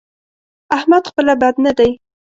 احمد خپله بد نه دی؛